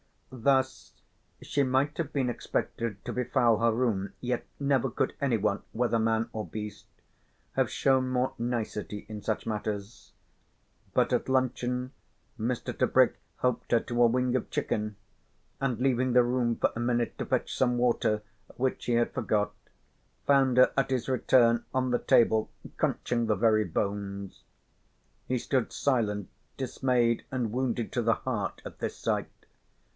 Thus she might have been expected to befoul her room, yet never could anyone, whether man or beast, have shown more nicety in such matters. But at luncheon Mr. Tebrick helped her to a wing of chicken, and leaving the room for a minute to fetch some water which he had forgot, found her at his return on the table crunching the very bones. He stood silent, dismayed and wounded to the heart at this sight.